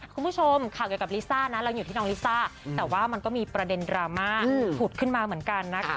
คุณผู้ชมข่าวเกี่ยวกับลิซ่านะเราอยู่ที่น้องลิซ่าแต่ว่ามันก็มีประเด็นดราม่าผุดขึ้นมาเหมือนกันนะคะ